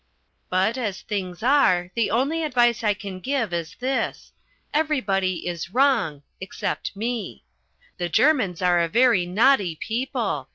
But, as things are, the only advice I can give is this. Everybody is wrong (except me). The Germans are a very naughty people.